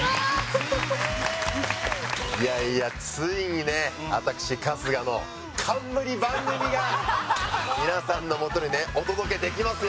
いやいやついにね私春日の冠番組が皆さんのもとにねお届けできますよ！